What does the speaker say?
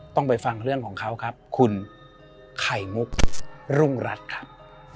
ต้องไปฟังเรื่องของเขาครับคุณไข่มุกรุงรัฐครับ